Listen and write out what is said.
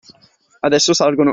Adesso salgono.